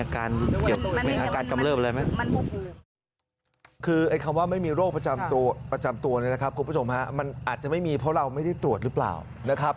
คือคำว่าไม่มีโรคประจำตัวประจำตัวเนี่ยนะครับคุณผู้ชมฮะมันอาจจะไม่มีเพราะเราไม่ได้ตรวจหรือเปล่านะครับ